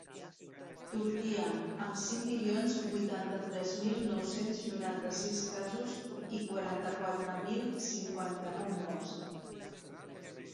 Turquia, amb cinc milions vuitanta-tres mil nou-cents noranta-sis casos i quaranta-quatre mil cinquanta-nou morts.